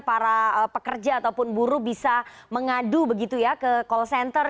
para pekerja ataupun buruh bisa mengadu begitu ya ke call center